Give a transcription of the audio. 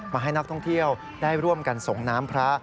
มาให้นักท่องเที่ยวได้ร่วมกันส่งน้ำพระ